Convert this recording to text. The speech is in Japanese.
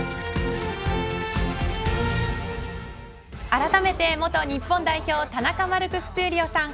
改めて、元日本代表田中マルクス闘莉王さん。